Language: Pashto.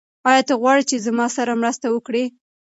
آیا ته غواړې چې زما سره مرسته وکړې؟